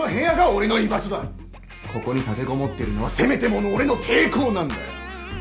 ここに立てこもってるのはせめてもの俺の抵抗なんだよ。